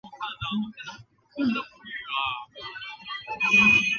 边川站的铁路车站。